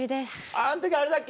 あの時あれだっけ？